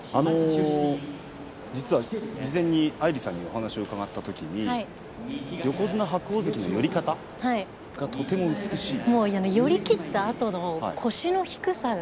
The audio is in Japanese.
実は事前にアイリさんにお話を伺ったときに横綱白鵬大関に寄り方非常に美しい。